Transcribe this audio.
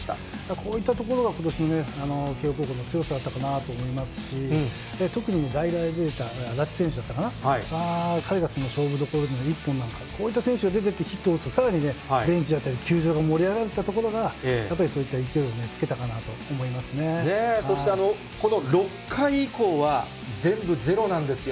こういったところが、ことしの慶応高校の強さだったかなと思いますし、特に代打で出た足立選手だったかな、彼が勝負どころで一本が出た、こういった選手が出ていってヒットを打つ、さらにベンチだったり、球場が盛り上がれたところが、やっぱり、そういった勢いをつけそしてこの６回以降は、全部ゼロなんですよ。